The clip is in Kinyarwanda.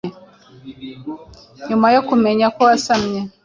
nyuma yo kumenya ko wasamye